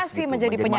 masih menjadi penyakit